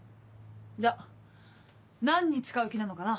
じゃあ何に使う気なのかな？